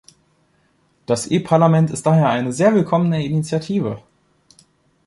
Das e-Parlament ist daher eine sehr willkommene Initiative.